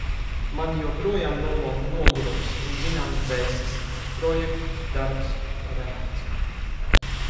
Mani joprojām nomoka nogurums un zināms besis – projekti, darbs, remonts...